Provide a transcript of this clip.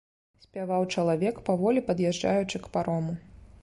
Спяваў чалавек, паволі пад'язджаючы к парому.